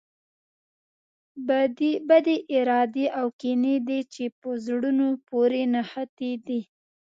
بدې ارادې او کینې دي چې په زړونو پورې نښتي دي.